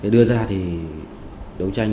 đưa ra thì đấu tranh